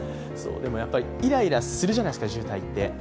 イライラするじゃないですか、渋滞って。